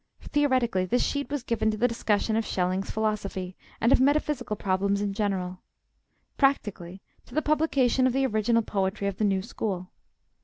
Theoretically this sheet was given to the discussion of Schelling's philosophy, and of metaphysical problems in general; practically, to the publication of the original poetry of the new school.